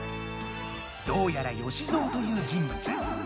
どうやらよしぞうという人物